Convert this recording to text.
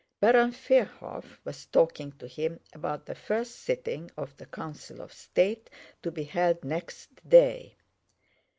Baron Firhoff was talking to him about the first sitting of the Council of State to be held next day.